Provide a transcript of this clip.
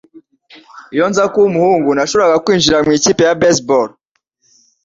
Iyo nza kuba umuhungu, nashoboraga kwinjira mu ikipe ya baseball.